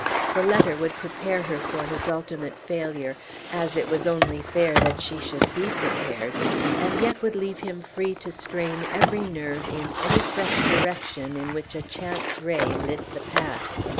The letter would prepare her for his ultimate failure, as it was only fair that she should be prepared, and yet would leave him free to strain every nerve in any fresh direction in which a chance ray lit the path.